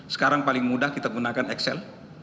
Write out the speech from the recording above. sekarang paling mudah kita gunakan excel